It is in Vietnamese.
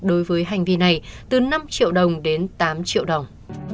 đối với hành vi này từ năm triệu đồng đến tám triệu đồng